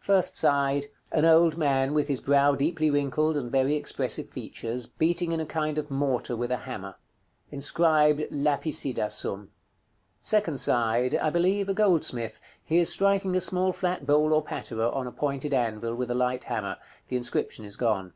First side. An old man, with his brow deeply wrinkled, and very expressive features, beating in a kind of mortar with a hammer. Inscribed "LAPICIDA SUM." Second side. I believe, a goldsmith; he is striking a small flat bowl or patera, on a pointed anvil, with a light hammer. The inscription is gone.